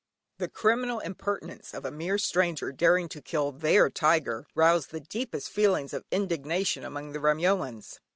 The criminal impertinence of a mere stranger daring to kill their tiger roused the deepest feelings of indignation among the Remyoans.